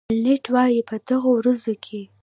بلنټ وایي په دغه ورځو کې.